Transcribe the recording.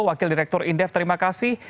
wakil direktur indef terima kasih